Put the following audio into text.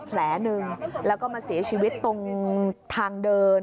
แผลหนึ่งแล้วก็มาเสียชีวิตตรงทางเดิน